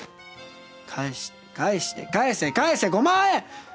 「返して」「返して」「返せ」「返せ」「５万円」！